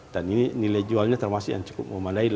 ini nilai jualnya termasuk yang cukup memadai